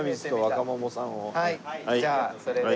じゃあそれで。